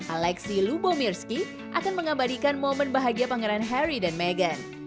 alexei lubomirsky akan mengabadikan momen bahagia pangeran harry dan meghan